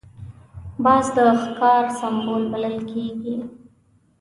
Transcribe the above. باز د ښکار سمبول بلل کېږي